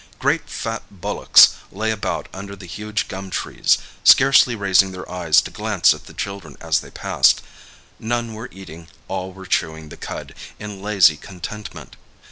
Great fat bullocks lay about under the huge gum trees, scarcely raising their eyes to glance at the children as they passed; none were eating, all were chewing the cud in lazy contentment.